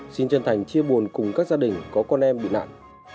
xin chân thành chia buồn cùng các gia đình có con em bị nạn